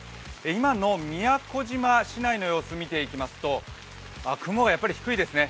今の宮古島市内の様子を見ていきますと雲が低いですね。